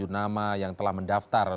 dua puluh tujuh nama yang telah mendaftar